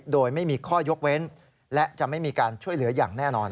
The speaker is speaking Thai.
โดยไม่มีข้อยกเว้นและจะไม่มีการช่วยเหลืออย่างแน่นอน